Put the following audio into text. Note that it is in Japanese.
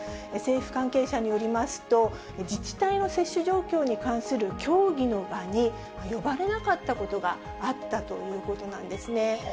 政府関係者によりますと、自治体の接種状況に関する協議の場に、呼ばれなかったことがあったということなんですね。